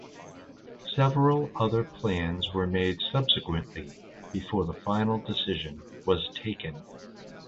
Several other plans were made subsequently before the final decision was taken.